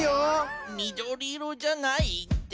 みどりいろじゃないって。